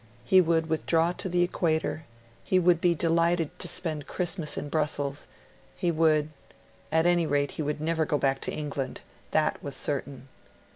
He would withdraw to the Equator; he would be delighted to spend Christmas in Brussels; he would ... at any rate he would never go back to England. That was certain.